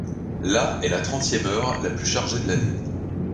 La est la trentième heure la plus chargée de l'année.